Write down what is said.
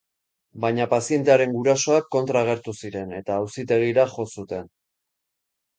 Baina pazientearen gurasoak kontra agertu ziren eta auzitegira jo zuten.